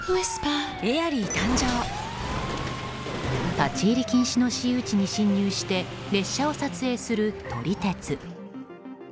立ち入り禁止の私有地に侵入して列車を撮影する撮り鉄。